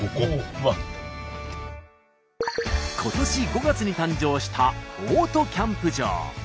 今年５月に誕生したオートキャンプ場。